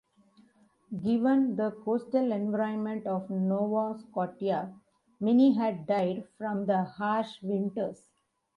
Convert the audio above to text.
Given the coastal environment of Nova Scotia, many had died from the harsh winters.